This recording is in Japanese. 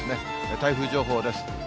台風情報です。